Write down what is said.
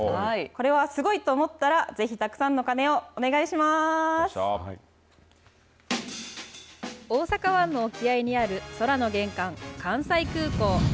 これはすごいと思ったら、ぜひた大阪湾の沖合にある空の玄関、関西空港。